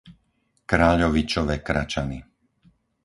Kráľovičove Kračany